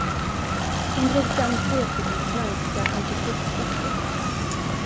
Hon drog fram tre stycken franska antikrigsböcker.